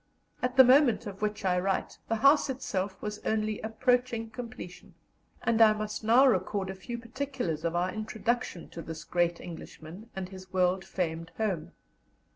At the moment of which I write the house itself was only approaching completion, and I must now record a few particulars of our introduction to this great Englishman and his world famed home.